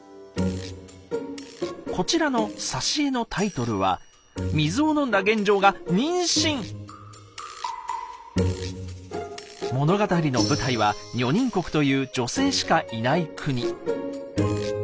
こちらの挿絵のタイトルは物語の舞台は「女人国」という女性しかいない国。